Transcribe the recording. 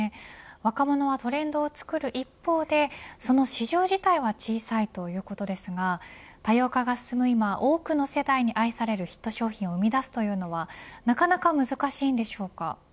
若者はトレンドを作る一方でその市場自体は小さいということですが多様化が進む今多くの世代に愛されるヒット商品を生み出すというのはなかなか難しいのでしょうか。